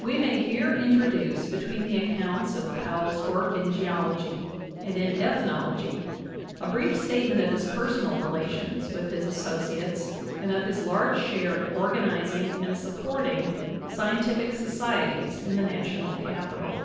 We may here introduce between the accounts of Powell's work in Geology and in Ethnology a brief statement of his personal relations with his associates and of his large share in organizing and supporting scientific societies in the National Capital.